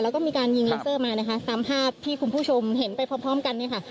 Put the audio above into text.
แล้วก็มีการยิงเลเซอร์มานะคะตามภาพที่คุณผู้ชมเห็นไปพร้อมพร้อมกันเนี่ยค่ะ